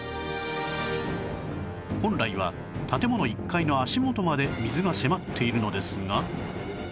本来は建物１階の足元まで水が迫っているのですが